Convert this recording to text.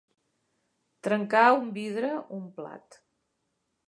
Trencar un vidre, un plat.